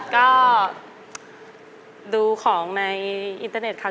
ก็ดูของในอินเตอร์เน็ตค่ะ